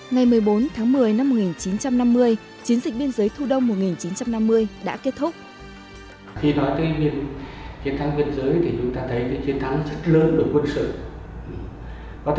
ngày một mươi bốn tháng một mươi năm một nghìn chín trăm năm mươi chiến dịch biên giới thu đông một nghìn chín trăm năm mươi đã kết thúc